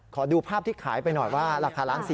ขอดูภาพที่ขายไปหน่อยว่าราคา๑๔๐